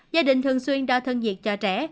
gia đình thường xuyên đo thân diệt cho trẻ